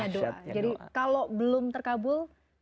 jadi kalau belum terkabul